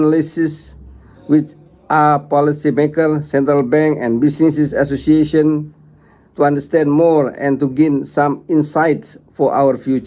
untuk mengakhiri saya berharap ada diskusi yang beruntung dan tindakan yang konkrit